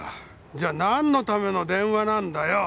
じゃあなんのための電話なんだよ！